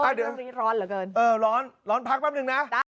เดี๋ยวช่วงนี้ร้อนเหลือเกินเออร้อนร้อนพักแป๊บนึงนะ